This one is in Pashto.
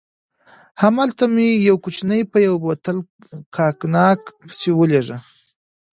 هملته مې یو کوچنی په یو بوتل کاګناک پسې ولېږه.